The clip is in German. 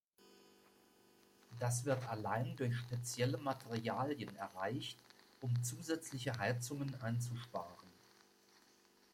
Das wird allein durch spezielle Materialien erreicht, um zusätzliche Heizungen einzusparen.